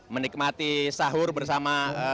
menikmati sahur bersama